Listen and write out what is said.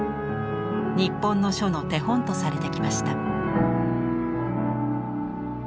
日本の書の手本とされてきました。